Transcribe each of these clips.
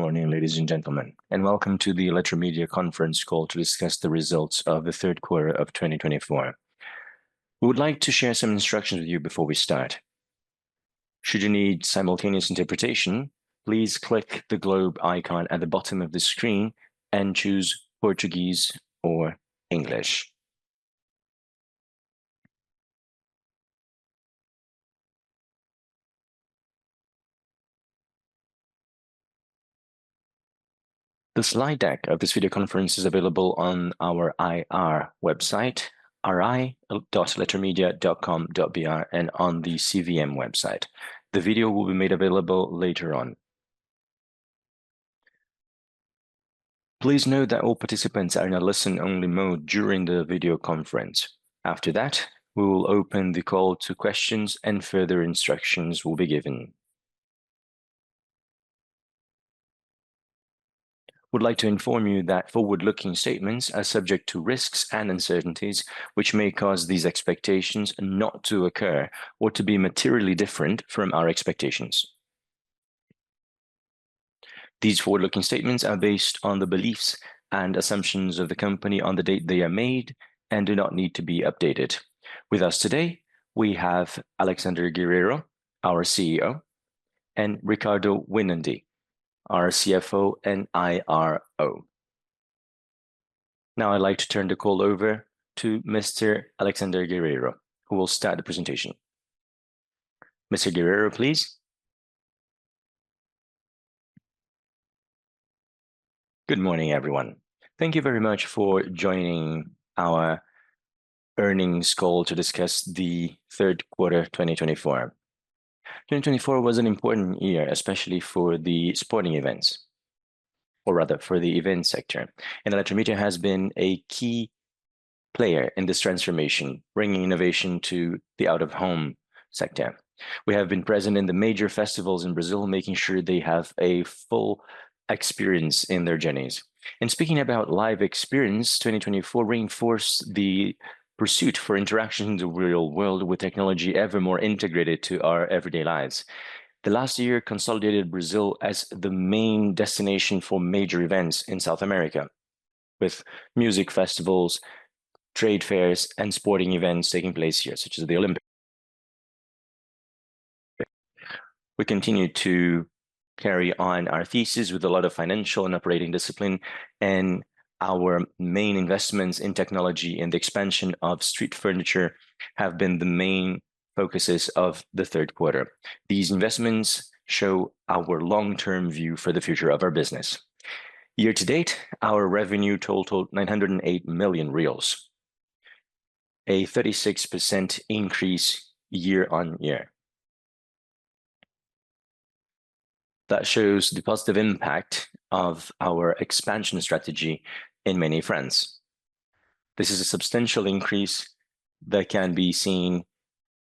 Good morning, ladies and gentlemen, and welcome to the Eletromidia conference call to discuss the results of the third quarter of 2024. We would like to share some instructions with you before we start. Should you need simultaneous interpretation, please click the globe icon at the bottom of the screen and choose Portuguese or English. The Slide deck of this video conference is available on our IR website, ri.eletromidia.com.br, and on the CVM website. The video will be made available later on. Please note that all participants are in a listen-only mode during the video conference. After that, we will open the call to questions, and further instructions will be given. We'd like to inform you that forward-looking statements are subject to risks and uncertainties, which may cause these expectations not to occur or to be materially different from our expectations. These forward-looking statements are based on the beliefs and assumptions of the company on the date they are made and do not need to be updated. With us today, we have Alexandre Guerrero, our CEO, and Ricardo Winandy, our CFO and IRO. Now, I'd like to turn the call over to Mr. Alexandre Guerrero, who will start the presentation. Mr. Guerrero, please. Good morning, everyone. Thank you very much for joining our earnings call to discuss the third quarter 2024. 2024 was an important year, especially for the sporting events, or rather for the event sector, and Eletromidia has been a key player in this transformation, bringing innovation to the out-of-home sector. We have been present in the major festivals in Brazil, making sure they have a full experience in their journeys, and speaking about live experience, 2024 reinforced the pursuit for interaction in the real world with technology ever more integrated to our everyday lives. The last year consolidated Brazil as the main destination for major events in South America, with music festivals, trade fairs, and sporting events taking place here, such as the Olympics. We continue to carry on our thesis with a lot of financial and operating discipline, and our main investments in technology and the expansion of street furniture have been the main focuses of the third quarter. These investments show our long-term view for the future of our business. Year to date, our revenue totaled 908 million reais, a 36% increase year on year. That shows the positive impact of our expansion strategy in many fronts. This is a substantial increase that can be seen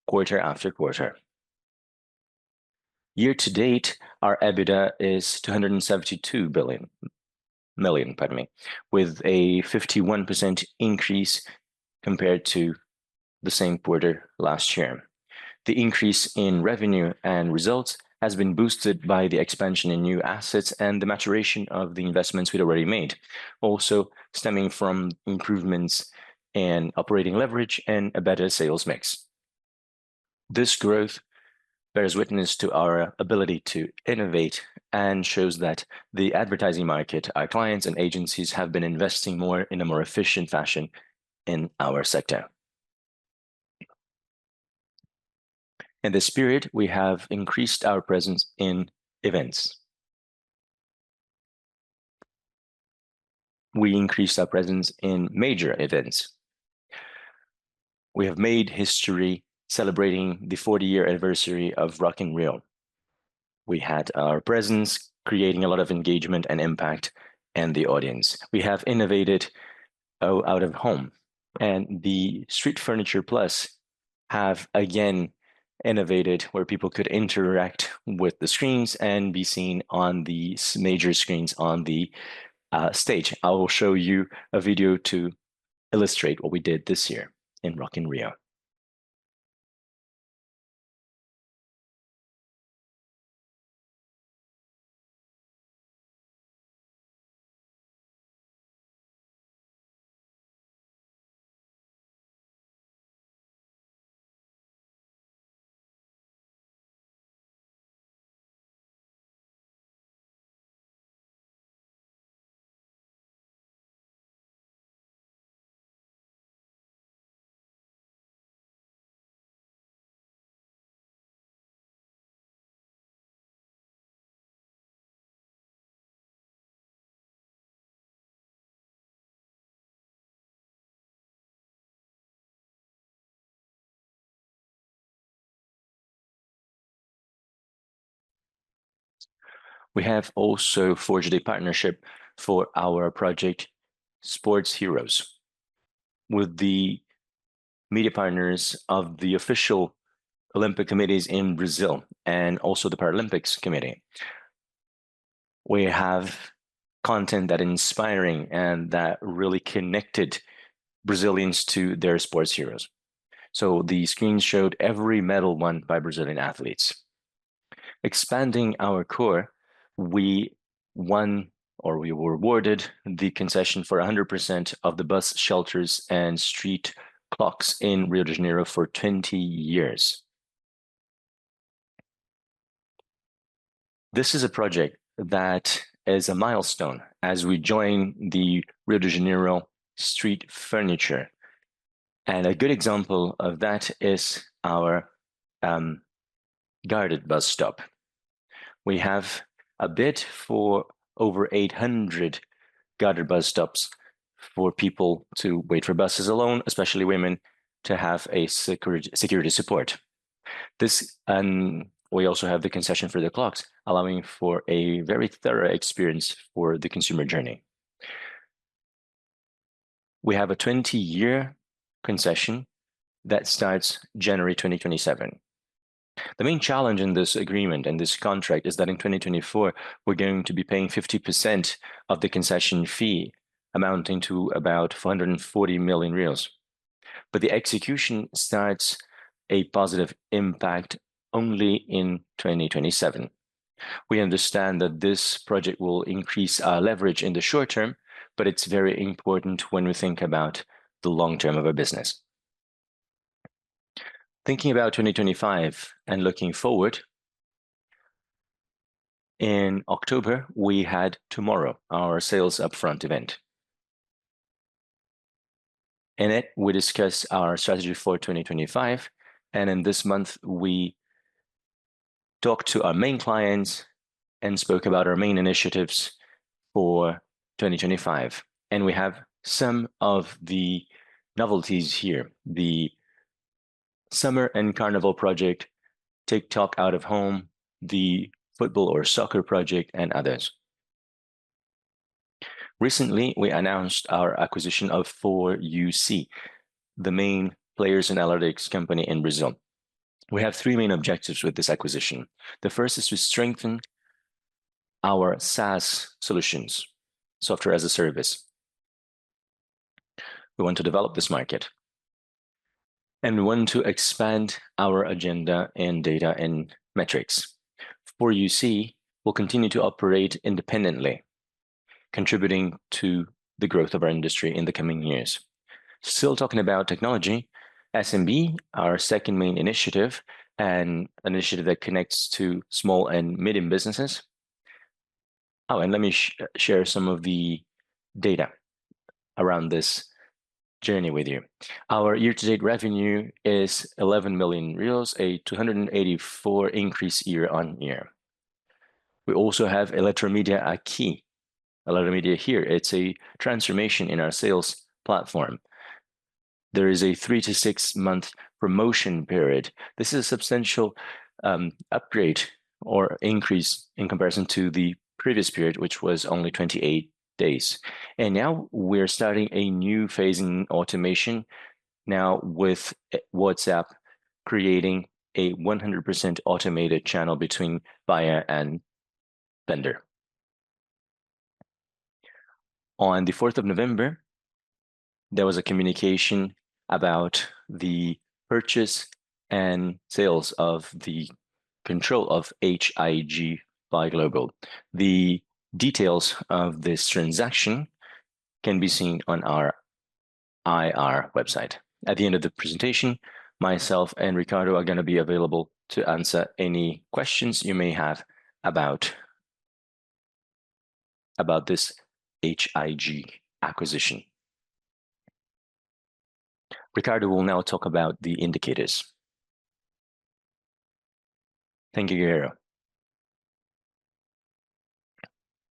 quarter after quarter. Year to date, our EBITDA is 272 billion, pardon me, with a 51% increase compared to the same quarter last year. The increase in revenue and results has been boosted by the expansion in new assets and the maturation of the investments we'd already made, also stemming from improvements in operating leverage and a better sales mix. This growth bears witness to our ability to innovate and shows that the advertising market, our clients and agencies, have been investing more in a more efficient fashion in our sector. In this period, we have increased our presence in events. We increased our presence in major events. We have made history celebrating the 40-year anniversary of Rock in Rio. We had our presence creating a lot of engagement and impact in the audience. We have innovated out of home, and the Street Furniture Plus have again innovated where people could interact with the screens and be seen on the major screens on the stage. I will show you a video to illustrate what we did this year in Rock in Rio. We have also forged a partnership for our project, Sports Heroes, with the media partners of the official Olympic committees in Brazil and also the Paralympics committee. We have content that is inspiring and that really connected Brazilians to their sports heroes. So the screens showed every medal won by Brazilian athletes. Expanding our core, we won or we were awarded the concession for 100% of the bus shelters and street clocks in Rio de Janeiro for 20 years. This is a project that is a milestone as we join the Rio de Janeiro street furniture. And a good example of that is our guarded bus stop. We have a bid for over 800 guarded bus stops for people to wait for buses alone, especially women, to have a security support. We also have the concession for the clocks, allowing for a very thorough experience for the consumer journey. We have a 20-year concession that starts January 2027. The main challenge in this agreement and this contract is that in 2024, we're going to be paying 50% of the concession fee amounting to about 440 million reais. But the execution starts a positive impact only in 2027. We understand that this project will increase our leverage in the short term, but it's very important when we think about the long term of our business. Thinking about 2025 and looking forward, in October, we had Tomorrow, our sales upfront event. In it, we discussed our strategy for 2025, and in this month, we talked to our main clients and spoke about our main initiatives for 2025, and we have some of the novelties here: the Summer and Carnival Project, TikTok Out of Home, the Football or Soccer Project, and others. Recently, we announced our acquisition of 4YouSee, the main players in the electronics company in Brazil. We have three main objectives with this acquisition. The first is to strengthen our SaaS solutions, software as a service. We want to develop this market, and we want to expand our agenda and data and metrics. 4YouSee will continue to operate independently, contributing to the growth of our industry in the coming years. Still talking about technology, SMB, our second main initiative, an initiative that connects to small and medium businesses. Oh, and let me share some of the data around this journey with you. Our year-to-date revenue is 11 million reais, a 284% increase year on year. We also have Eletromidia Aqui, Eletromidia here. It's a transformation in our sales platform. There is a three- to six-month promotion period. This is a substantial upgrade or increase in comparison to the previous period, which was only 28 days. Now we're starting a new phase in automation, now with WhatsApp creating a 100% automated channel between buyer and vendor. On the 4th of November, there was a communication about the purchase and sales of the control of H.I.G. by Globo. The details of this transaction can be seen on our IR website. At the end of the presentation, myself and Ricardo are going to be available to answer any questions you may have about this H.I.G. acquisition. Ricardo will now talk about the indicators. Thank you, Guerrero.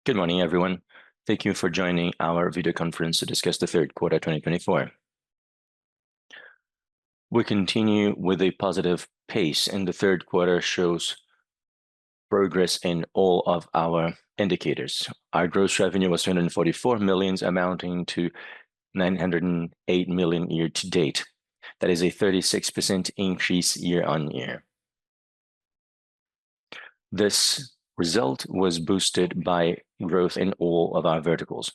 Good morning, everyone. Thank you for joining our video conference to discuss the third quarter 2024. We continue with a positive pace, and the third quarter shows progress in all of our indicators. Our gross revenue was 244 million, amounting to 908 million year to date. That is a 36% increase year on year. This result was boosted by growth in all of our verticals.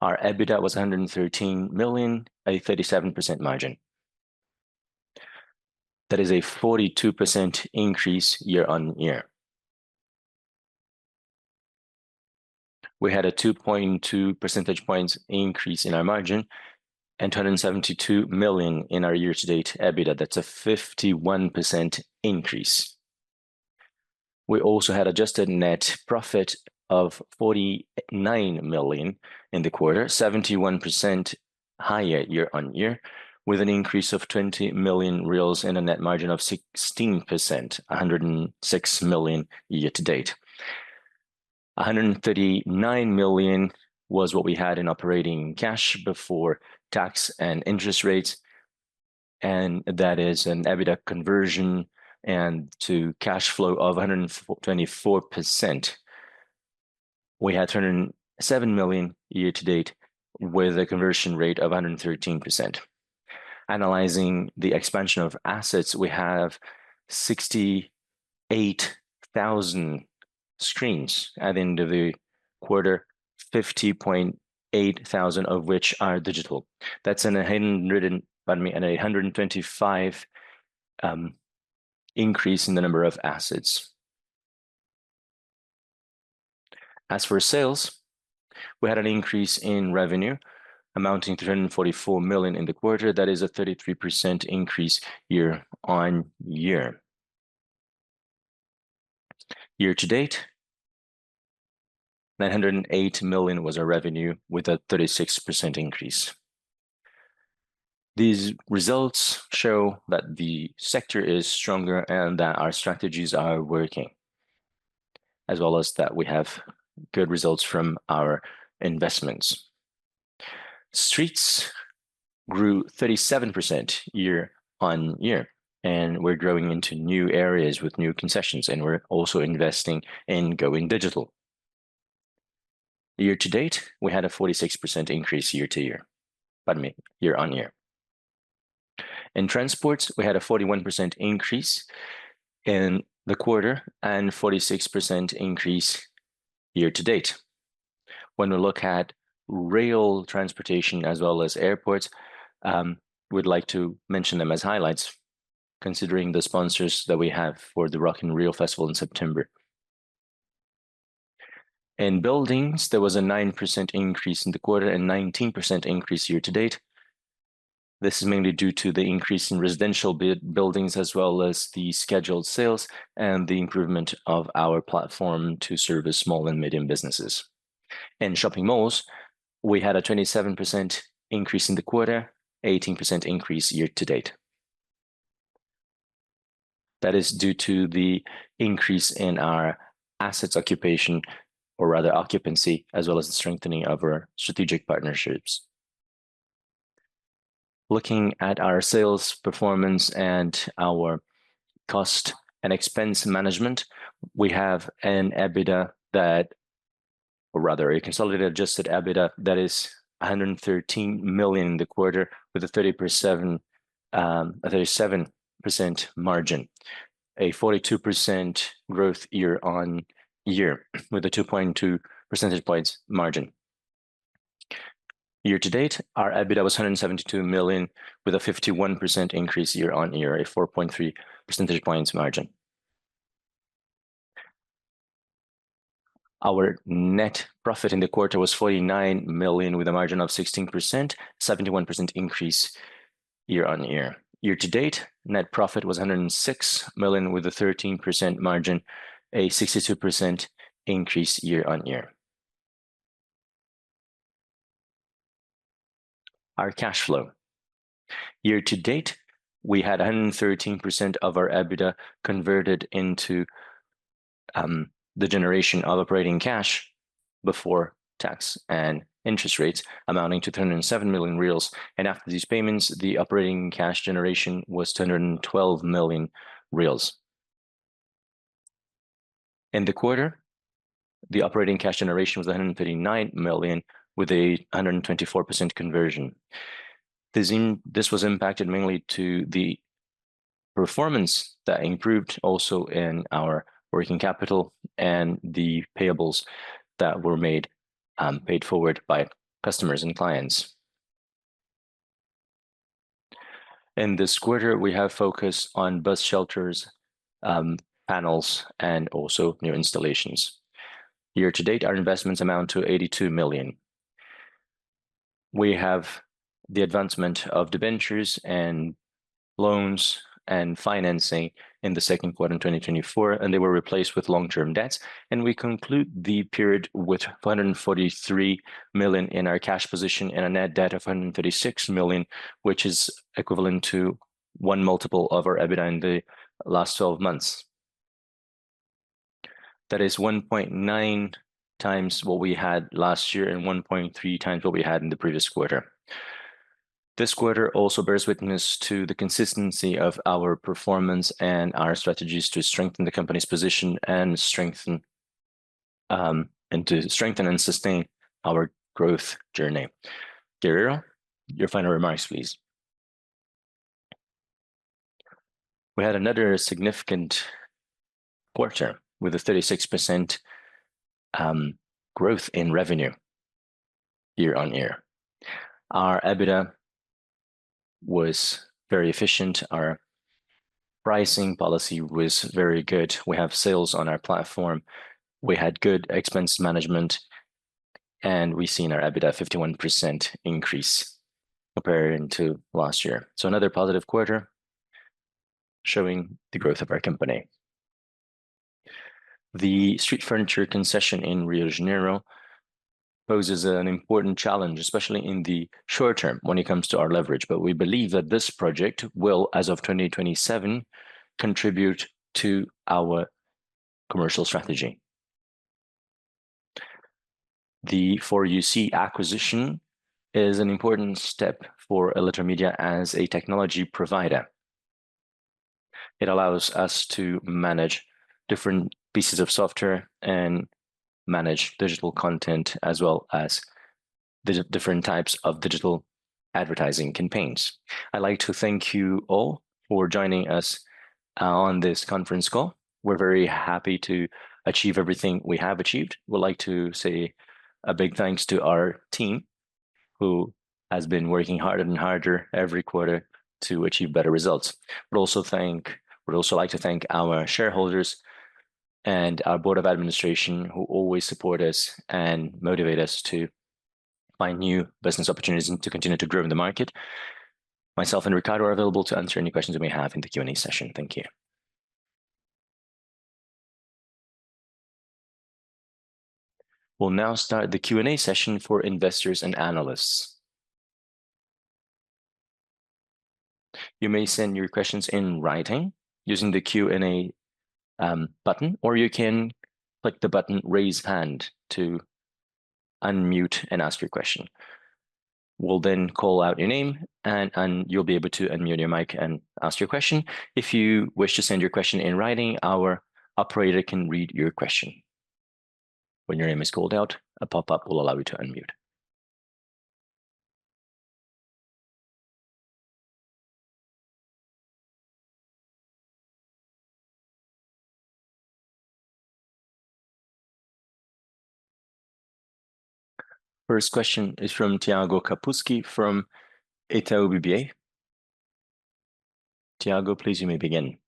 Our EBITDA was 113 million, a 37% margin. That is a 42% increase year on year. We had a 2.2 percentage points increase in our margin and 272 million in our year-to-date EBITDA. That's a 51% increase. We also had adjusted net profit of 49 million in the quarter, 71% higher year on year, with an increase of 20 million reais and a net margin of 16%, 106 million year to date. 139 million was what we had in operating cash before tax and interest rates, and that is an EBITDA conversion and to cash flow of 124%. We had 207 million year to date with a conversion rate of 113%. Analyzing the expansion of assets, we have 68,000 screens at the end of the quarter, 50,000 of which are digital. That's a 125% increase in the number of assets. As for sales, we had an increase in revenue amounting to 344 million in the quarter. That is a 33% increase year on year. Year to date, 908 million was our revenue with a 36% increase. These results show that the sector is stronger and that our strategies are working, as well as that we have good results from our investments. Streets grew 37% year on year, and we're growing into new areas with new concessions, and we're also investing in going digital. Year to date, we had a 46% increase year to year, pardon me, year on year. In transports, we had a 41% increase in the quarter and 46% increase year to date. When we look at rail transportation as well as airports, we'd like to mention them as highlights, considering the sponsors that we have for the Rock in Rio Festival in September. In buildings, there was a 9% increase in the quarter and 19% increase year to date. This is mainly due to the increase in residential buildings as well as the scheduled sales and the improvement of our platform to service small and medium businesses. In shopping malls, we had a 27% increase in the quarter, 18% increase year to date. That is due to the increase in our assets occupation, or rather occupancy, as well as the strengthening of our strategic partnerships. Looking at our sales performance and our cost and expense management, we have an EBITDA that, or rather a consolidated adjusted EBITDA that is 113 million in the quarter with a 37% margin, a 42% growth year on year with a 2.2 percentage points margin. Year to date, our EBITDA was 172 million with a 51% increase year on year, a 4.3 percentage points margin. Our net profit in the quarter was 49 million with a margin of 16%, 71% increase year on year. Year to date, net profit was 106 million with a 13% margin, a 62% increase year on year. Our cash flow year to date we had 113% of our EBITDA converted into the generation of operating cash before tax and interest rates amounting to 307 million reais. And after these payments, the operating cash generation was 212 million reais. In the quarter, the operating cash generation was 139 million with a 124% conversion. This was impacted mainly to the performance that improved also in our working capital and the payables that were paid forward by customers and clients. In this quarter, we have focus on bus shelters, panels, and also new installations. Year to date, our investments amount to 82 million. We have the advancement of the ventures and loans and financing in the second quarter in 2024, and they were replaced with long-term debts. And we conclude the period with 443 million in our cash position and a net debt of 136 million, which is equivalent to one multiple of our EBITDA in the last 12 months. That is 1.9 times what we had last year and 1.3 times what we had in the previous quarter. This quarter also bears witness to the consistency of our performance and our strategies to strengthen the company's position and to strengthen and sustain our growth journey. Guerrero, your final remarks, please. We had another significant quarter with a 36% growth in revenue year on year. Our EBITDA was very efficient. Our pricing policy was very good. We have sales on our platform. We had good expense management, and we've seen our EBITDA 51% increase compared to last year. So another positive quarter showing the growth of our company. The street furniture concession in Rio de Janeiro poses an important challenge, especially in the short term when it comes to our leverage. But we believe that this project will, as of 2027, contribute to our commercial strategy. The 4YouSee acquisition is an important step for Eletromidia as a technology provider. It allows us to manage different pieces of software and manage digital content as well as different types of digital advertising campaigns. I'd like to thank you all for joining us on this conference call. We're very happy to achieve everything we have achieved. We'd like to say a big thanks to our team who has been working harder and harder every quarter to achieve better results. We'd also like to thank our shareholders and our board of administration who always support us and motivate us to find new business opportunities and to continue to grow in the market. Myself and Ricardo are available to answer any questions that we have in the Q&A session. Thank you. We'll now start the Q&A session for investors and analysts. You may send your questions in writing using the Q&A button, or you can click the button Raise Hand to unmute and ask your question. We'll then call out your name, and you'll be able to unmute your mic and ask your question. If you wish to send your question in writing, our operator can read your question. When your name is called out, a pop-up will allow you to unmute. First question is from Thiago Kapulskis from Itaú BBA. Thiago, please, you may begin.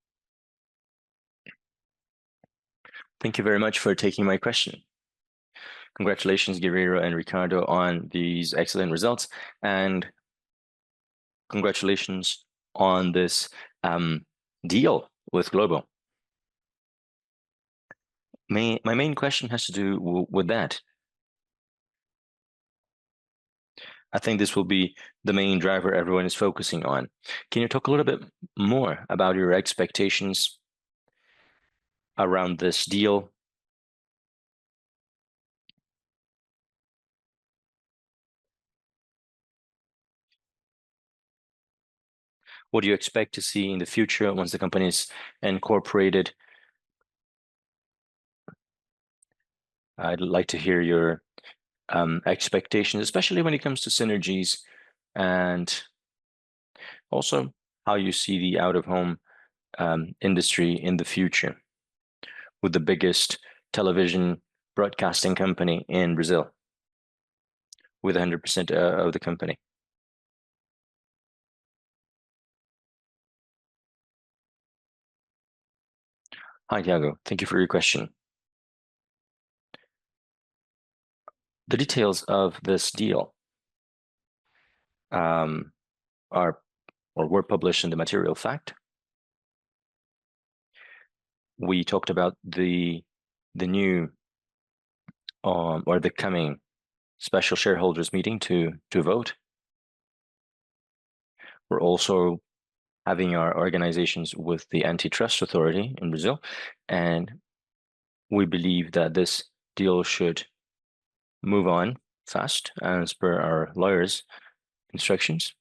Thank you very much for taking my question. Congratulations, Guerrero and Ricardo, on these excellent results, and congratulations on this deal with Globo. My main question has to do with that. I think this will be the main driver everyone is focusing on. Can you talk a little bit more about your expectations around this deal? What do you expect to see in the future once the company is incorporated? I'd like to hear your expectations, especially when it comes to synergies, and also how you see the out-of-home industry in the future with the biggest television broadcasting company in Brazil with 100% of the company. Hi, Thiago. Thank you for your question. The details of this deal are or were published in the Material Fact. We talked about the new or the coming special shareholders meeting to vote. We're also having our organizations with the antitrust authority in Brazil, and we believe that this deal should move on fast as per our lawyers' instructions.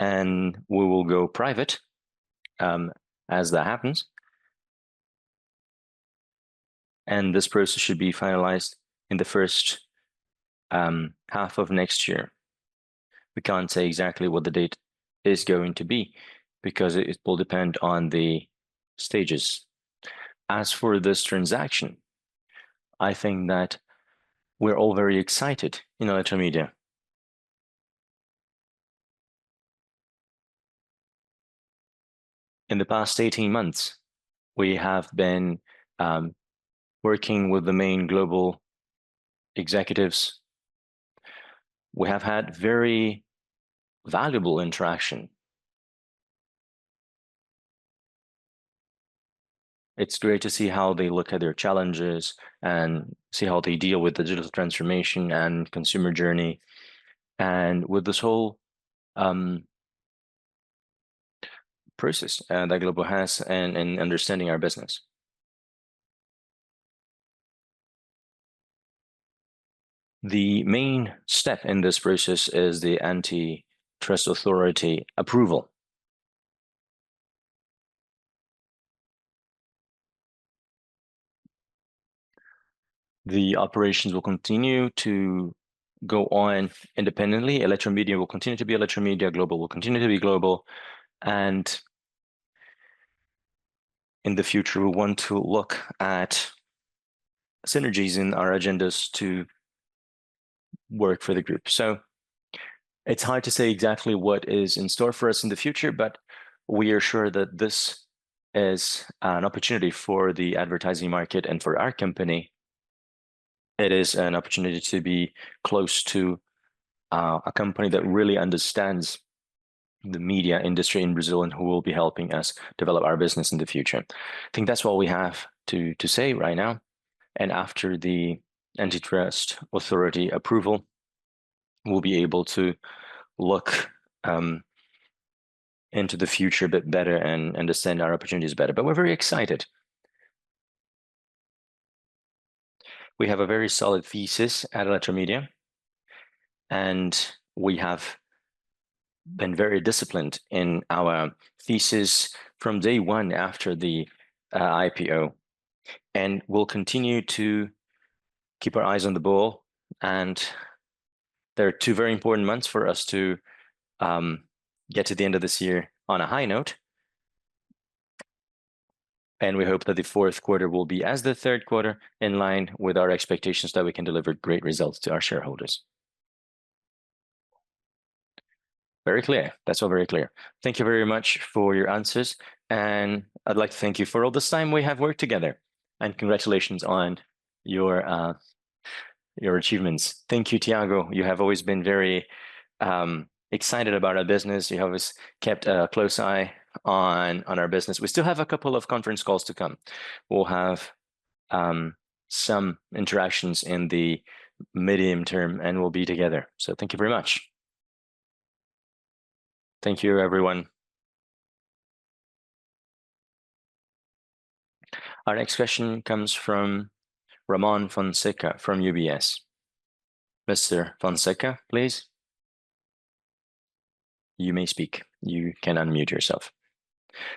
We will go private as that happens. This process should be finalized in the first half of next year. We can't say exactly what the date is going to be because it will depend on the stages. As for this transaction, I think that we're all very excited in Eletromidia. In the past 18 months, we have been working with the main global executives. We have had very valuable interaction. It's great to see how they look at their challenges and see how they deal with the digital transformation and consumer journey and with this whole process that Global has and understanding our business. The main step in this process is the antitrust authority approval. The operations will continue to go on independently. Eletromidia will continue to be Eletromidia. Global will continue to be Global, and in the future, we want to look at synergies in our agendas to work for the group, so it's hard to say exactly what is in store for us in the future, but we are sure that this is an opportunity for the advertising market and for our company. It is an opportunity to be close to a company that really understands the media industry in Brazil and who will be helping us develop our business in the future. I think that's all we have to say right now. And after the antitrust authority approval, we'll be able to look into the future a bit better and understand our opportunities better. But we're very excited. We have a very solid thesis at Eletromidia, and we have been very disciplined in our thesis from day one after the IPO. And we'll continue to keep our eyes on the ball. And there are two very important months for us to get to the end of this year on a high note. And we hope that the fourth quarter will be as the third quarter in line with our expectations that we can deliver great results to our shareholders. Very clear. That's all very clear. Thank you very much for your answers, and I'd like to thank you for all the time we have worked together, and congratulations on your achievements. Thank you, Thiago. You have always been very excited about our business. You have kept a close eye on our business. We still have a couple of conference calls to come. We'll have some interactions in the medium term, and we'll be together, so thank you very much. Thank you, everyone. Our next question comes from Ramon Fonseca from UBS. Mr. Fonseca, please. You may speak. You can unmute yourself.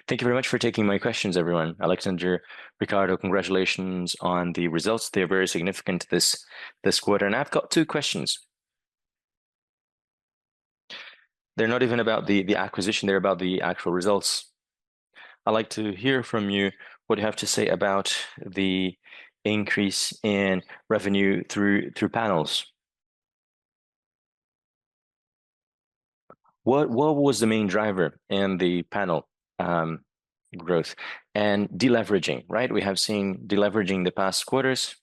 Thank you very much for taking my questions, everyone. Alexandre, Ricardo, congratulations on the results. They are very significant this quarter, and I've got two questions. They're not even about the acquisition. They're about the actual results. I'd like to hear from you what you have to say about the increase in revenue through panels. What was the main driver in the panel growth and deleveraging? Right. We have seen deleveraging the past quarters,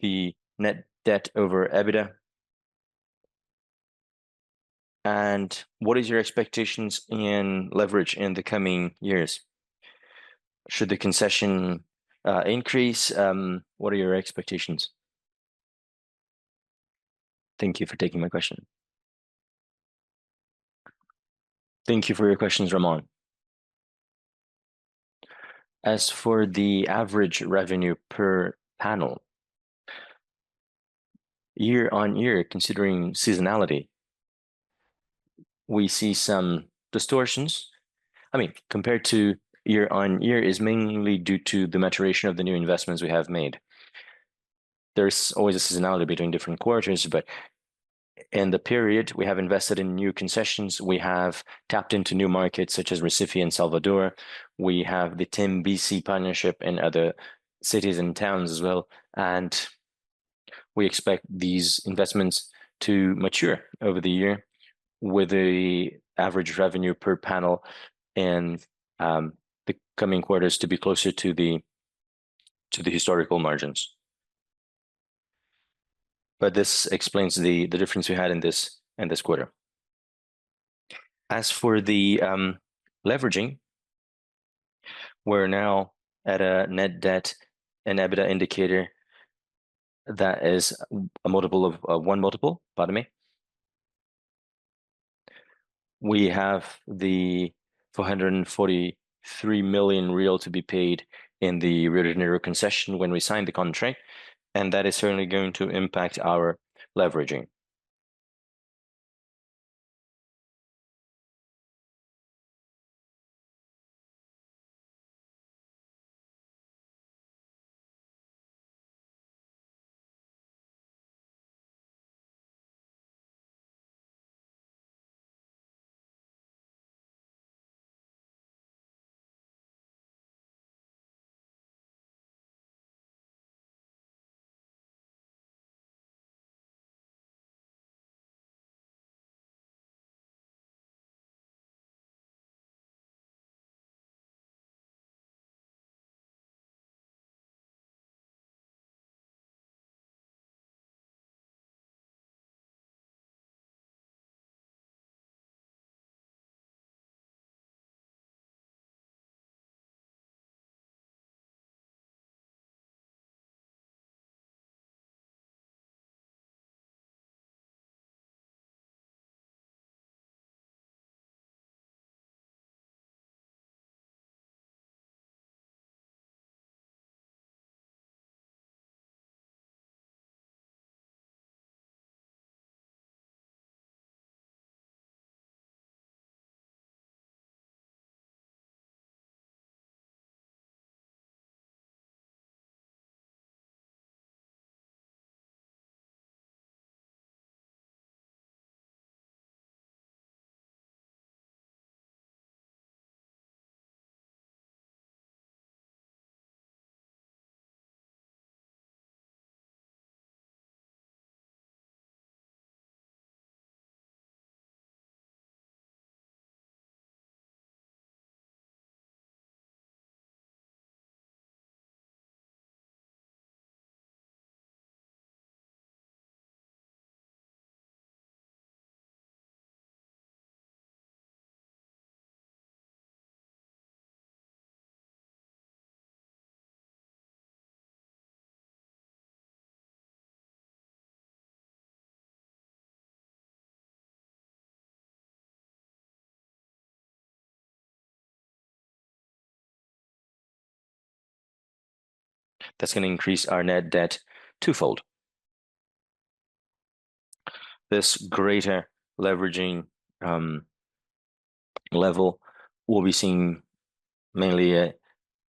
the net debt over EBITDA. And what are your expectations in leverage in the coming years? Should the concession increase? What are your expectations? Thank you for taking my question. Thank you for your questions, Ramon. As for the average revenue per panel, year on year, considering seasonality, we see some distortions. I mean, compared to year on year, it is mainly due to the maturation of the new investments we have made. There's always a seasonality between different quarters. But in the period we have invested in new concessions, we have tapped into new markets such as Recife and Salvador. We have the Tembici partnership in other cities and towns as well. We expect these investments to mature over the year with the average revenue per panel in the coming quarters to be closer to the historical margins. This explains the difference we had in this quarter. As for the leveraging, we're now at a net debt and EBITDA indicator that is a multiple of one multiple. Pardon me. We have the 443 million real to be paid in the Rio de Janeiro concession when we signed the contract. That is certainly going to impact our leveraging. That's going to increase our net debt twofold. This greater leveraging level will be seen mainly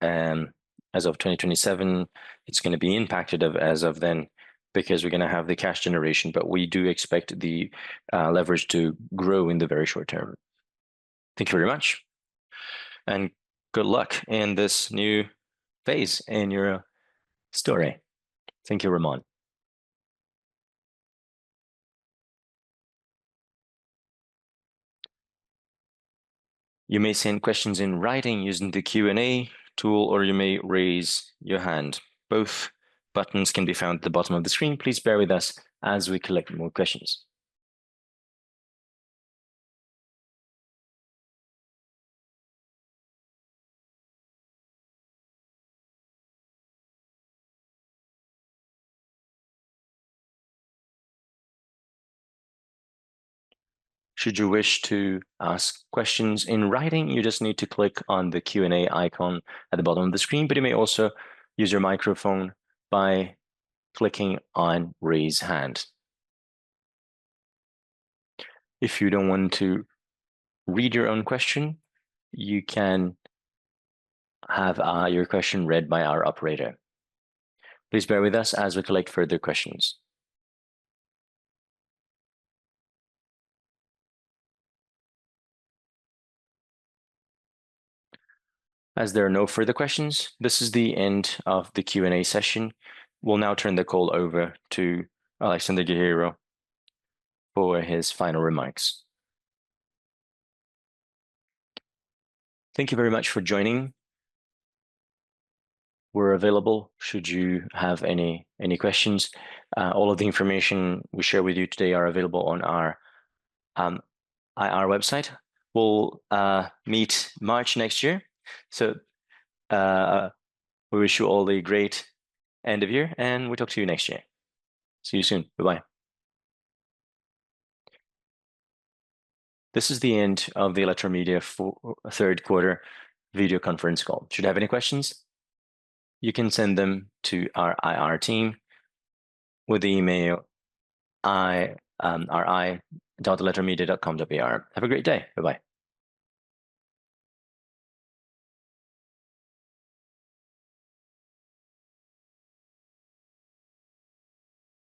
as of 2027. It's going to be impacted as of then because we're going to have the cash generation. We do expect the leverage to grow in the very short term. Thank you very much. And good luck in this new phase in your story. Thank you, Ramon. You may send questions in writing using the Q&A tool, or you may raise your hand. Both buttons can be found at the bottom of the screen. Please bear with us as we collect more questions. Should you wish to ask questions in writing, you just need to click on the Q&A icon at the bottom of the screen. But you may also use your microphone by clicking on "Raise Hand." If you don't want to read your own question, you can have your question read by our operator. Please bear with us as we collect further questions. As there are no further questions, this is the end of the Q&A session. We'll now turn the call over to Alexandre Guerrero for his final remarks. Thank you very much for joining. We're available should you have any questions. All of the information we share with you today is available on our website. We'll meet March next year. So we wish you all a great end of year, and we talk to you next year. See you soon. Bye-bye. This is the end of the Eletromidia third quarter video conference call. Should you have any questions, you can send them to our IR team with the emailir@eletromidia.com.br. Have a great day. Bye-bye.